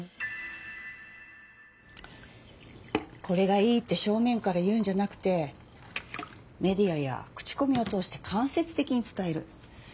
これがいいって正面から言うんじゃなくてメディアや口コミを通して間せつてきに伝える。